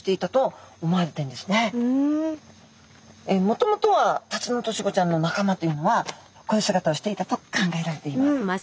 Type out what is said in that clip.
もともとはタツノオトシゴちゃんの仲間というのはこういう姿をしていたと考えられています。